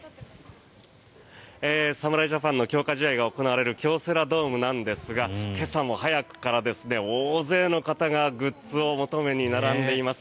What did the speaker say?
侍ジャパンの強化試合が行われる京セラドームなんですが今朝も早くから大勢の方がグッズを求めに並んでいます。